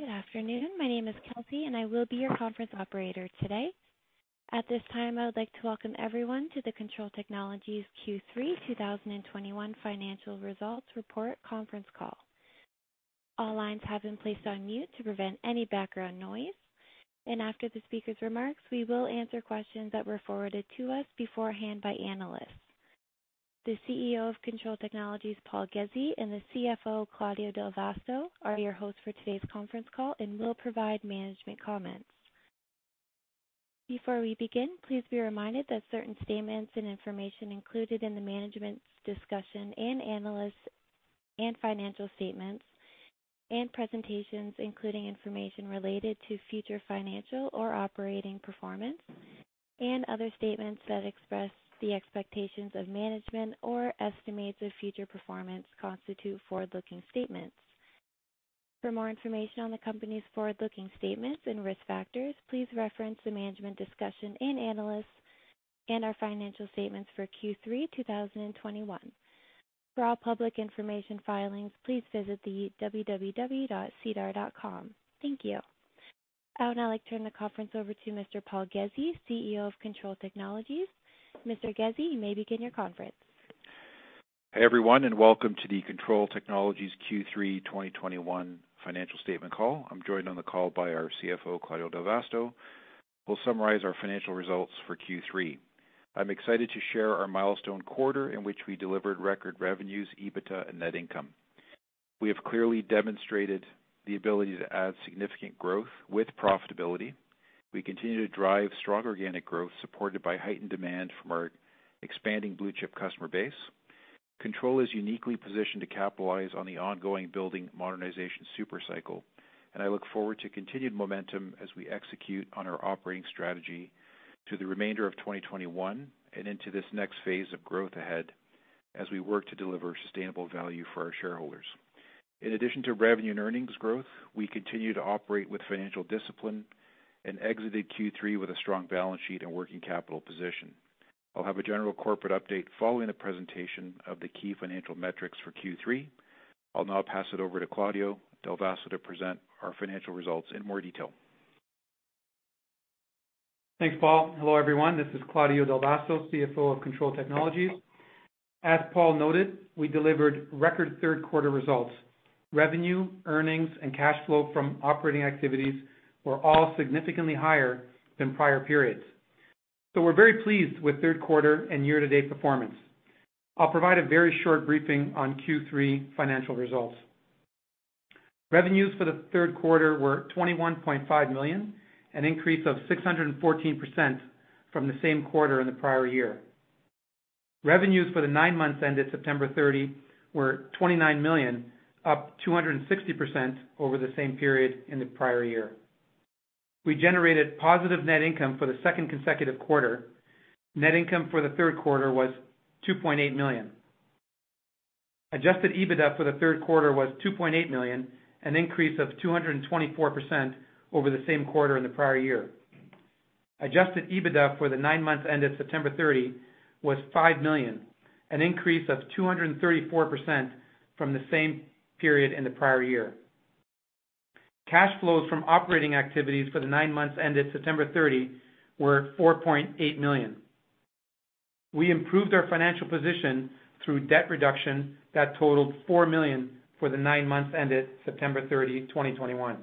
Good afternoon. My name is Kelsey, and I will be your conference operator today. At this time, I would like to welcome everyone to the Kontrol Technologies Q3 2021 Financial Results Report Conference Call. All lines have been placed on mute to prevent any background noise, and after the speaker's remarks, we will answer questions that were forwarded to us beforehand by analysts. The CEO of Kontrol Technologies, Paul Ghezzi, and the CFO, Claudio Del Vasto, are your hosts for today's conference call and will provide management comments. Before we begin, please be reminded that certain statements and information included in the management's discussion and analysis and financial statements and presentations, including information related to future financial or operating performance and other statements that express the expectations of management or estimates of future performance constitute forward-looking statements. For more information on the company's forward-looking statements and risk factors, please reference the management discussion and analysis and our financial statements for Q3 2021. For all public information filings, please visit sedar.com. Thank you. I would now like to turn the conference over to Mr. Paul Ghezzi, CEO of Kontrol Technologies. Mr. Ghezzi, you may begin the conference. Hey, everyone, and welcome to the Kontrol Technologies Q3 2021 financial statement call. I'm joined on the call by our CFO, Claudio Del Vasto, who'll summarize our financial results for Q3. I'm excited to share our milestone quarter in which we delivered record revenues, EBITDA, and net income. We have clearly demonstrated the ability to add significant growth with profitability. We continue to drive strong organic growth supported by heightened demand from our expanding blue-chip customer base. Kontrol is uniquely positioned to capitalize on the ongoing building modernization super cycle, and I look forward to continued momentum as we execute on our operating strategy to the remainder of 2021 and into this next phase of growth ahead as we work to deliver sustainable value for our shareholders. In addition to revenue and earnings growth, we continue to operate with financial discipline and exited Q3 with a strong balance sheet and working capital position. I'll have a general corporate update following the presentation of the key financial metrics for Q3. I'll now pass it over to Claudio Del Vasto to present our financial results in more detail. Thanks, Paul. Hello, everyone. This is Claudio Del Vasto, CFO of Kontrol Technologies Corp. As Paul noted, we delivered record third quarter results. Revenue, earnings, and cash flow from operating activities were all significantly higher than prior periods. We're very pleased with third quarter and year-to-date performance. I'll provide a very short briefing on Q3 financial results. Revenues for the third quarter were 21.5 million, an increase of 614% from the same quarter in the prior year. Revenues for the nine months ended September 30 were 29 million, up 260% over the same period in the prior year. We generated positive net income for the second consecutive quarter. Net income for the third quarter was 2.8 million. Adjusted EBITDA for the third quarter was 2.8 million, an increase of 224% over the same quarter in the prior year. Adjusted EBITDA for the nine months ended September 30 was 5 million, an increase of 234% from the same period in the prior year. Cash flows from operating activities for the nine months ended September 30 were 4.8 million. We improved our financial position through debt reduction that totaled 4 million for the nine months ended September 30, 2021.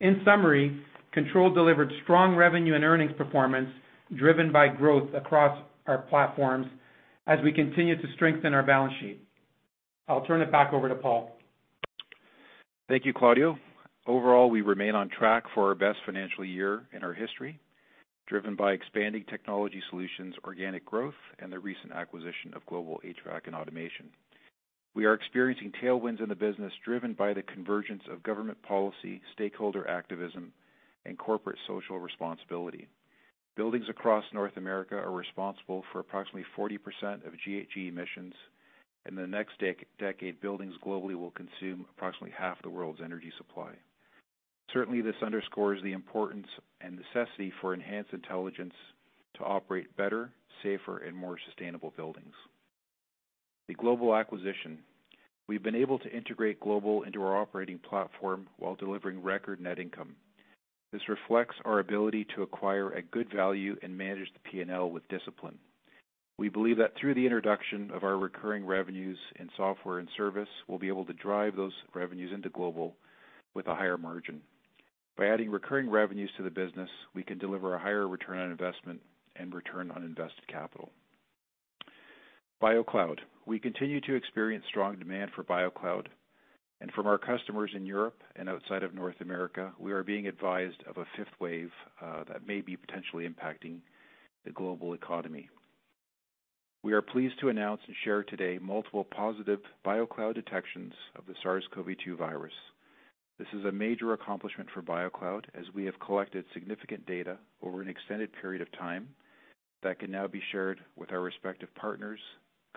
In summary, Kontrol delivered strong revenue and earnings performance driven by growth across our platforms as we continue to strengthen our balance sheet. I'll turn it back over to Paul. Thank you, Claudio. Overall, we remain on track for our best financial year in our history, driven by expanding technology solutions, organic growth, and the recent acquisition of Global HVAC & Automation. We are experiencing tailwinds in the business, driven by the convergence of government policy, stakeholder activism, and corporate social responsibility. Buildings across North America are responsible for approximately 40% of GHG emissions. In the next decade, buildings globally will consume approximately half the world's energy supply. Certainly, this underscores the importance and necessity for enhanced intelligence to operate better, safer, and more sustainable buildings. The Global acquisition. We've been able to integrate Global into our operating platform while delivering record net income. This reflects our ability to acquire a good value and manage the P&L with discipline. We believe that through the introduction of our recurring revenues in software and service, we'll be able to drive those revenues into Global with a higher margin. By adding recurring revenues to the business, we can deliver a higher return on investment and return on invested capital. BioCloud. We continue to experience strong demand for BioCloud. From our customers in Europe and outside of North America, we are being advised of a fifth wave, that may be potentially impacting the global economy. We are pleased to announce and share today multiple positive BioCloud detections of the SARS-CoV-2 virus. This is a major accomplishment for BioCloud, as we have collected significant data over an extended period of time that can now be shared with our respective partners,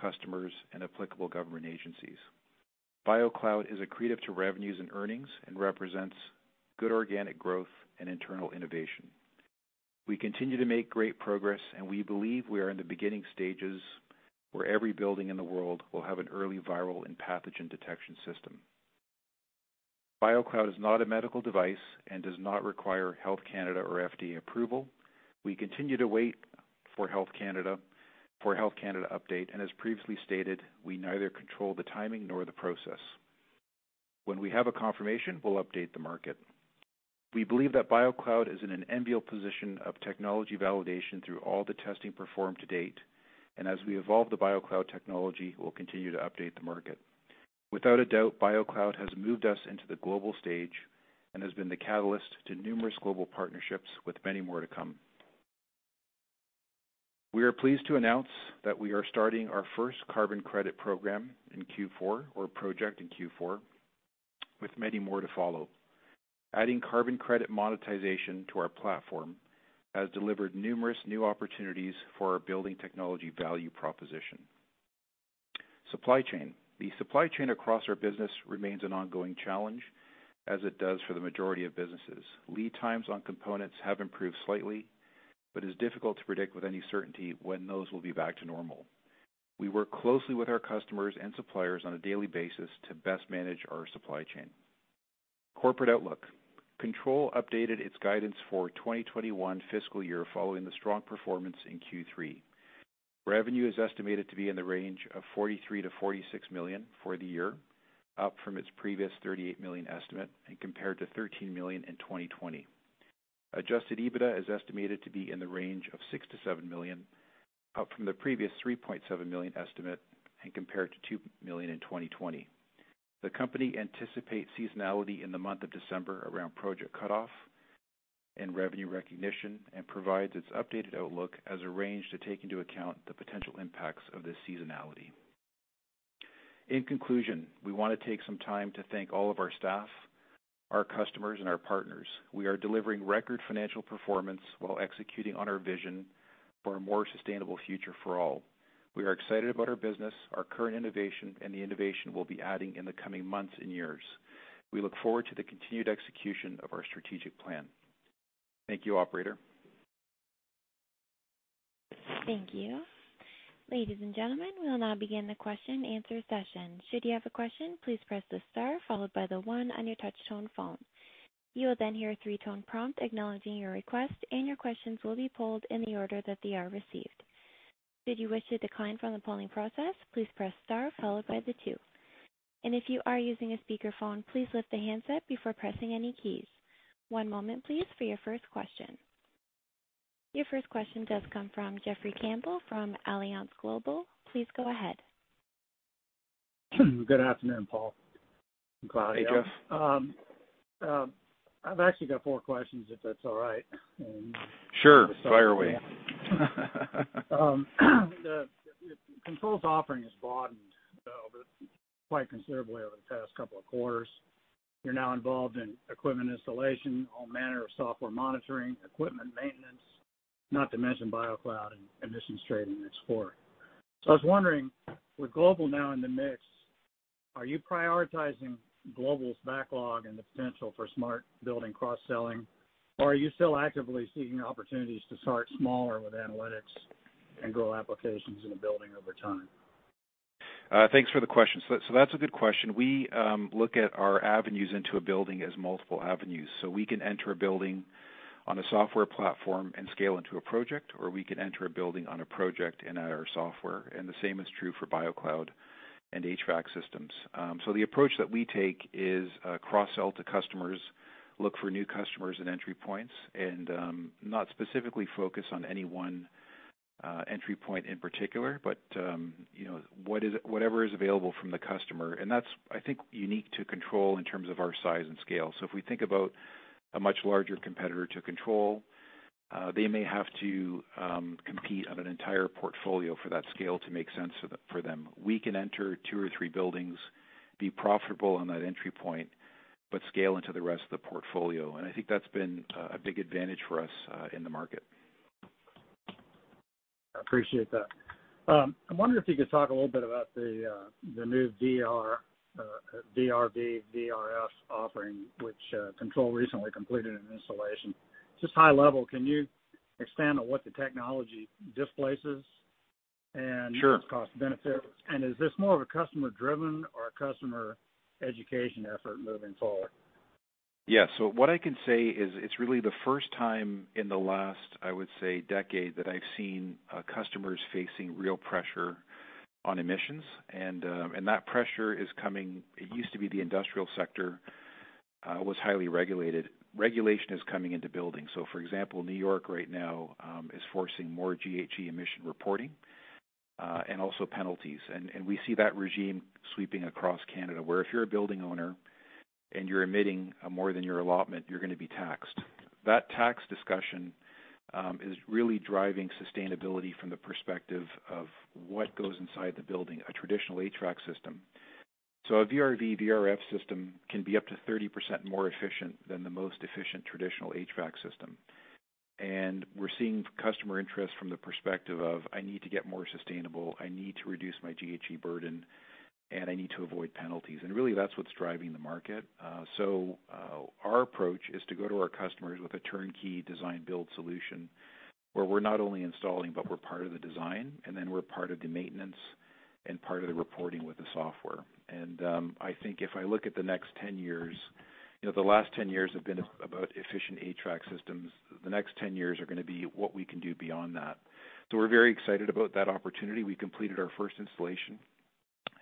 customers, and applicable government agencies. BioCloud is accretive to revenues and earnings and represents good organic growth and internal innovation. We continue to make great progress, and we believe we are in the beginning stages where every building in the world will have an early viral and pathogen detection system. BioCloud is not a medical device and does not require Health Canada or FDA approval. We continue to wait for Health Canada update, and as previously stated, we neither control the timing nor the process. When we have a confirmation, we'll update the market. We believe that BioCloud is in an enviable position of technology validation through all the testing performed to date. As we evolve the BioCloud technology, we'll continue to update the market. Without a doubt, BioCloud has moved us into the global stage and has been the catalyst to numerous global partnerships with many more to come. We are pleased to announce that we are starting our first carbon credit program in Q4, our project in Q4, with many more to follow. Adding carbon credit monetization to our platform has delivered numerous new opportunities for our building technology value proposition. Supply chain. The supply chain across our business remains an ongoing challenge, as it does for the majority of businesses. Lead times on components have improved slightly, but it is difficult to predict with any certainty when those will be back to normal. We work closely with our customers and suppliers on a daily basis to best manage our supply chain. Corporate outlook. Kontrol updated its guidance for 2021 fiscal year following the strong performance in Q3. Revenue is estimated to be in the range of 43 million-46 million for the year, up from its previous 38 million estimate and compared to 13 million in 2020. Adjusted EBITDA is estimated to be in the range of 6 million-7 million, up from the previous 3.7 million estimate and compared to 2 million in 2020. The company anticipates seasonality in the month of December around project cut off and revenue recognition and provides its updated outlook as a range to take into account the potential impacts of this seasonality. In conclusion, we want to take some time to thank all of our staff, our customers, and our partners. We are delivering record financial performance while executing on our vision for a more sustainable future for all. We are excited about our business, our current innovation, and the innovation we'll be adding in the coming months and years. We look forward to the continued execution of our strategic plan. Thank you, operator. Thank you. Ladies and gentlemen, we will now begin the question-answer session. Should you have a question, please press the star followed by the one on your touch tone phone. You will then hear a three-tone prompt acknowledging your request, and your questions will be pulled in the order that they are received. Should you wish to decline from the polling process, please press star followed by the two. If you are using a speakerphone, please lift the handset before pressing any keys. One moment, please, for your first question. Your first question does come from Jeffrey Campbell from Alliance Global Partners. Please go ahead. Good afternoon, Paul and Claudio. Hey, Jeff. I've actually got four questions, if that's all right. Sure. Fire away. Kontrol's offering has broadened quite considerably over the past couple of quarters. You're now involved in equipment installation, all manner of software monitoring, equipment maintenance, not to mention BioCloud and emissions trading and so forth. I was wondering, with Global now in the mix, are you prioritizing Global's backlog and the potential for smart building cross-selling, or are you still actively seeking opportunities to start smaller with analytics and grow applications in a building over time? Thanks for the question. That's a good question. We look at our avenues into a building as multiple avenues. We can enter a building on a software platform and scale into a project, or we can enter a building on a project and add our software. The same is true for BioCloud and HVAC systems. The approach that we take is cross-sell to customers, look for new customers and entry points, and not specifically focus on any one entry point in particular. You know, whatever is available from the customer. That's, I think, unique to Kontrol in terms of our size and scale. If we think about a much larger competitor to Kontrol, they may have to compete on an entire portfolio for that scale to make sense for them. We can enter two or three buildings, be profitable on that entry point, but scale into the rest of the portfolio. I think that's been a big advantage for us, in the market. I appreciate that. I'm wondering if you could talk a little bit about the new VRV, VRF offering, which Kontrol recently completed an installation. Just high level, can you expand on what the technology displaces and? Sure. What is its cost benefit? Is this more of a customer-driven or a customer education effort moving forward? Yeah. What I can say is it's really the first time in the last, I would say, decade that I've seen, customers facing real pressure on emissions. That pressure is coming. It used to be the industrial sector was highly regulated. Regulation is coming into buildings. For example, New York right now is forcing more GHG emission reporting and also penalties. We see that regime sweeping across Canada, where if you're a building owner and you're emitting more than your allotment, you're gonna be taxed. That tax discussion is really driving sustainability from the perspective of what goes inside the building, a traditional HVAC system. A VRV, VRF system can be up to 30% more efficient than the most efficient traditional HVAC system. We're seeing customer interest from the perspective of, I need to get more sustainable, I need to reduce my GHG burden. I need to avoid penalties. Really, that's what's driving the market. Our approach is to go to our customers with a turnkey design build solution where we're not only installing, but we're part of the design, and then we're part of the maintenance and part of the reporting with the software. I think if I look at the next 10 years, you know, the last 10 years have been about efficient HVAC systems. The next 10 years are going to be what we can do beyond that. We're very excited about that opportunity. We completed our first installation,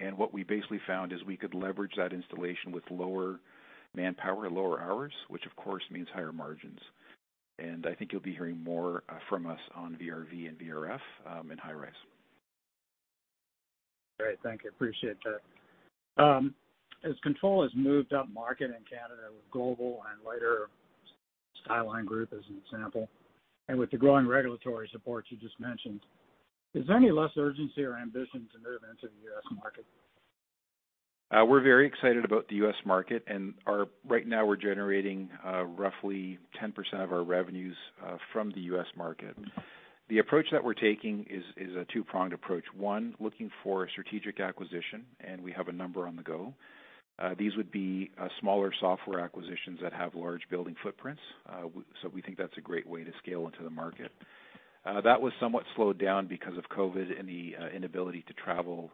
and what we basically found is we could leverage that installation with lower manpower and lower hours, which of course means higher margins. I think you'll be hearing more from us on VRV and VRF in high-rise. Great. Thank you. Appreciate that. As Kontrol has moved up market in Canada with Global and later Skyline Group as an example, and with the growing regulatory support you just mentioned, is there any less urgency or ambition to move into the U.S. market? We're very excited about the U.S. market. Right now we're generating roughly 10% of our revenues from the U.S. market. The approach that we're taking is a two-pronged approach. One, looking for strategic acquisition, and we have a number on the go. These would be smaller software acquisitions that have large building footprints. We think that's a great way to scale into the market. That was somewhat slowed down because of COVID and the inability to travel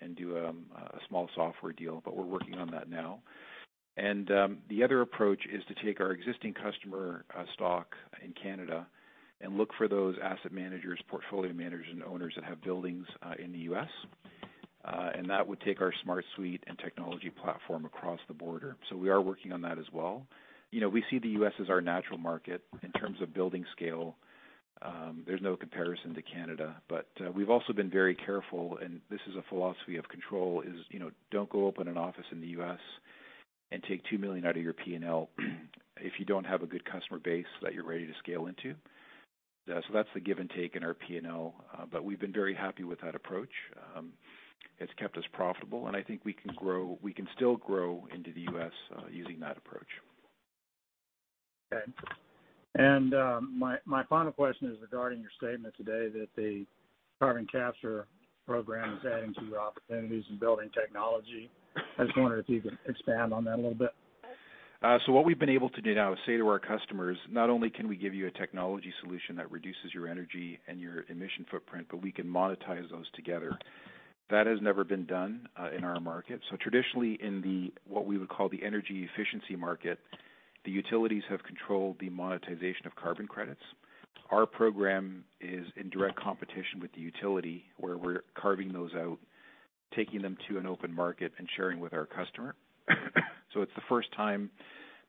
and do a small software deal. We're working on that now. The other approach is to take our existing customer stock in Canada and look for those asset managers, portfolio managers and owners that have buildings in the U.S. That would take our SmartSuite and technology platform across the border. We are working on that as well. You know, we see the U.S. as our natural market in terms of building scale. There's no comparison to Canada, but we've also been very careful, and this is a philosophy of Kontrol is, you know, don't go open an office in the U.S. and take 2 million out of your P&L if you don't have a good customer base that you're ready to scale into. That's the give and take in our P&L. We've been very happy with that approach. It's kept us profitable, and I think we can still grow into the U.S., using that approach. Okay. My final question is regarding your statement today that the carbon capture program is adding to your opportunities in building technology. I was wondering if you could expand on that a little bit. What we've been able to do now is say to our customers, not only can we give you a technology solution that reduces your energy and your emission footprint, but we can monetize those together. That has never been done in our market. Traditionally in the what we would call the Energy Efficiency Market, the utilities have controlled the monetization of carbon credits. Our program is in direct competition with the utility, where we're carving those out, taking them to an open market and sharing with our customer. It's the first time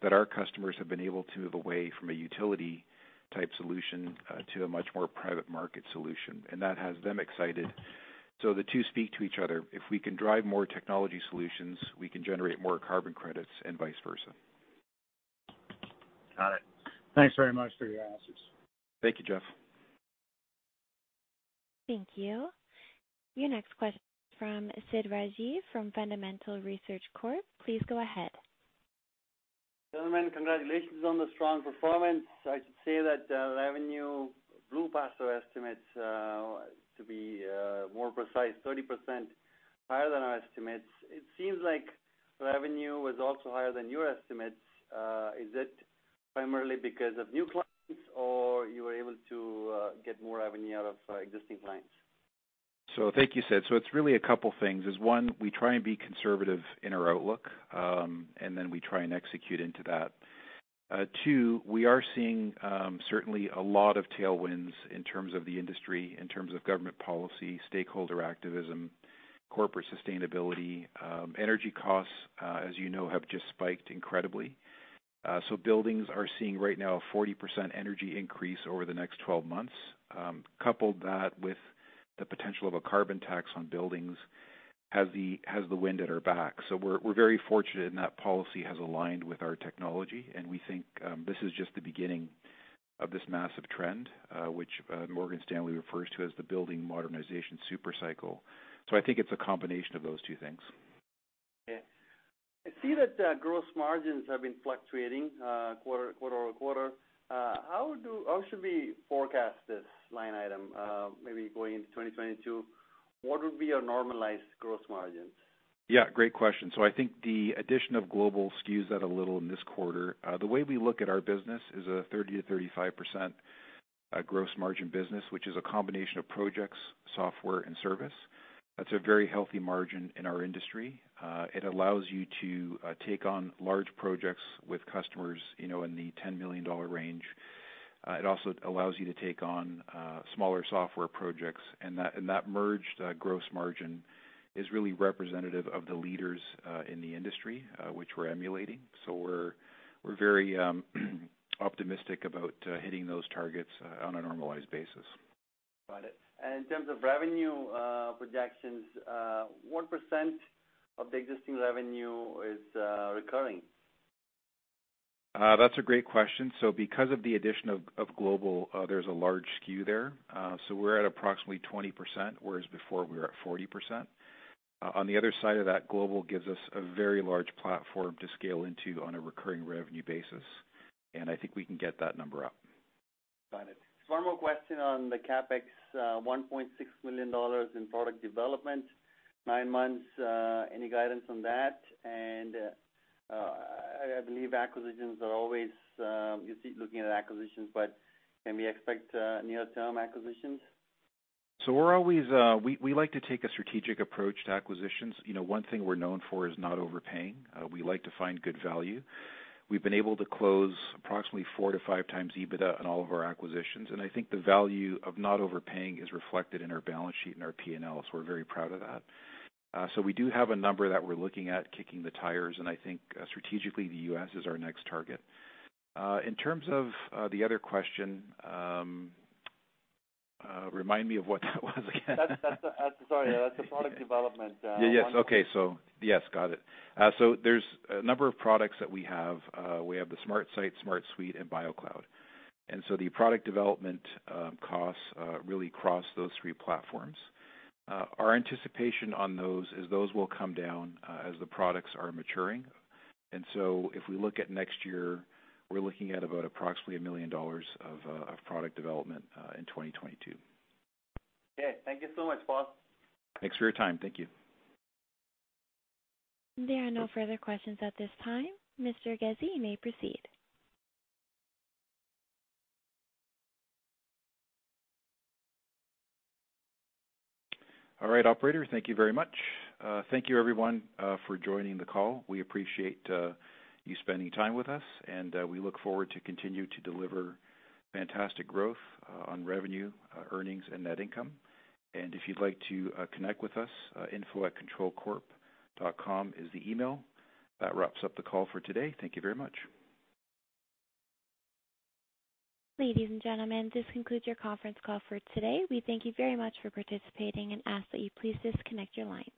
that our customers have been able to move away from a utility-type solution to a much more private market solution. That has them excited. The two speak to each other. If we can drive more technology solutions, we can generate more carbon credits and vice versa. Got it. Thanks very much for your answers. Thank you, Jeff. Thank you. Your next question is from Sid Rajeev from Fundamental Research Corp. Please go ahead. Gentlemen, congratulations on the strong performance. I should say that the revenue blew past our estimates, to be more precise, 30% higher than our estimates. It seems like revenue was also higher than your estimates. Is it primarily because of new clients or you were able to get more revenue out of existing clients? Thank you, Sid. It's really a couple things, is one, we try and be conservative in our outlook, and then we try and execute into that. Two, we are seeing certainly a lot of tailwinds in terms of the industry, in terms of government policy, stakeholder activism, corporate sustainability. Energy costs, as you know, have just spiked incredibly. So buildings are seeing right now a 40% energy increase over the next 12 months. Couple that with the potential of a carbon tax on buildings has the wind at our back. We're very fortunate in that policy has aligned with our technology, and we think this is just the beginning of this massive trend, which Morgan Stanley refers to as the building modernization super cycle. I think it's a combination of those two things. Yeah. I see that the gross margins have been fluctuating quarter-over-quarter. How should we forecast this line item, maybe going into 2022? What would be a normalized gross margin? Yeah, great question. I think the addition of Global HVAC & Automation skews that a little in this quarter. The way we look at our business is a 30%-35% gross margin business, which is a combination of projects, software and service. That's a very healthy margin in our industry. It allows you to take on large projects with customers in the 10 million dollar range. It also allows you to take on smaller software projects. That merged gross margin is really representative of the leaders in the industry, which we're emulating. We're very optimistic about hitting those targets on a normalized basis. Got it. In terms of revenue projections, what percent of the existing revenue is recurring? That's a great question. Because of the addition of Global, there's a large skew there. We're at approximately 20%, whereas before we were at 40%. On the other side of that, Global gives us a very large platform to scale into on a recurring revenue basis, and I think we can get that number up. Got it. One more question on the CapEx, 1.6 million dollars in product development, nine months. Any guidance on that? I believe you keep looking at acquisitions, but can we expect near-term acquisitions? We like to take a strategic approach to acquisitions. You know, one thing we're known for is not overpaying. We like to find good value. We've been able to close approximately 4x to 5x EBITDA on all of our acquisitions, and I think the value of not overpaying is reflected in our balance sheet and our P&L, so we're very proud of that. We do have a number that we're looking at kicking the tires, and I think strategically, the U.S. is our next target. In terms of the other question, remind me of what that was again. Sorry. That's the product development. Yes. Okay. Yes, got it. There's a number of products that we have. We have the SmartSite, SmartSuite, and BioCloud. The product development costs really cross those three platforms. Our anticipation on those is those will come down as the products are maturing. If we look at next year, we're looking at about approximately 1 million dollars of product development in 2022. Okay. Thank you so much, Paul. Thanks for your time. Thank you. There are no further questions at this time. Mr. Ghezzi, you may proceed. All right. Operator, thank you very much. Thank you, everyone, for joining the call. We appreciate you spending time with us, and we look forward to continue to deliver fantastic growth on revenue, earnings, and net income. If you'd like to connect with us, info@kontrolcorp.com is the email. That wraps up the call for today. Thank you very much. Ladies and gentlemen, this concludes your conference call for today. We thank you very much for participating and ask that you please disconnect your lines.